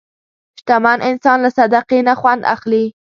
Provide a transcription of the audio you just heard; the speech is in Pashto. شتمن انسان له صدقې نه خوند اخلي.